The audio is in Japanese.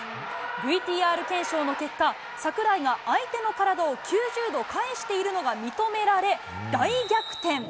ＶＴＲ検証の結果、櫻井が相手の体を９０度返しているのが認められ、大逆転。